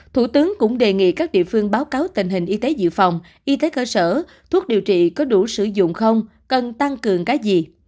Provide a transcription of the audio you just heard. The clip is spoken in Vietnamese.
thủ tướng cũng đề nghị các địa phương báo cáo tình hình y tế dự phòng y tế cơ sở thuốc điều trị có đủ sử dụng không cần tăng cường cái gì